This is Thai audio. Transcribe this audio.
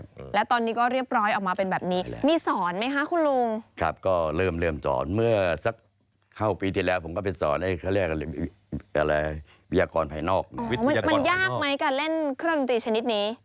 มันยากไหมการเล่นเครื่องดันตรีชนิดนี้